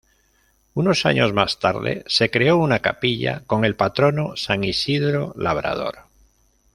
Unos años más tarde se creó una capilla con el patrono San Isidro Labrador.